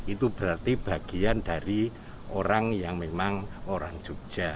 itu berarti bagian dari orang yang memang orang jogja